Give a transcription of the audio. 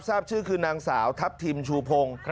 ทราบชื่อนางสาวทัพทิมชูพง